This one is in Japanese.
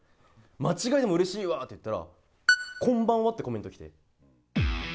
間違いでもうれしいわって言ったら、こんばんはってコメント来て。